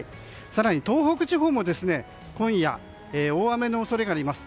更に東北地方も今夜、大雨の恐れがあります。